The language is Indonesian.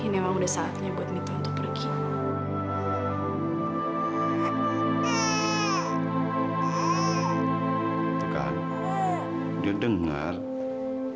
ini emang udah saatnya buat mita untuk pergi